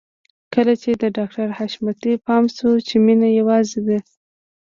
کله چې د ډاکټر حشمتي پام شو چې مينه يوازې ده.